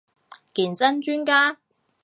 健身專家